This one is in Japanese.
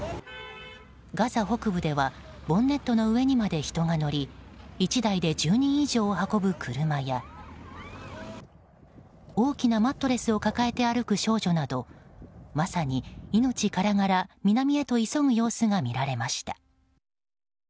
ガザ北部ではボンネットの上にまで人が乗り１台で１０人以上を運ぶ車や大きなマットレスを抱えて歩く少女などまさに、命からがら南へと急ぐ様子が見られました。